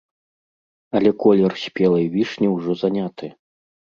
Але колер спелай вішні ўжо заняты!